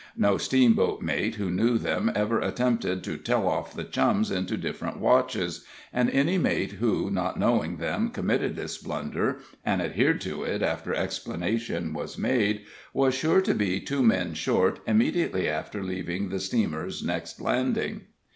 No steamboat mate who knew them ever attempted to "tell off" the Chums into different watches, and any mate who, not knowing them, committed this blunder, and adhered to it after explanation was made, was sure to be two men short immediately after leaving the steamer's next landing.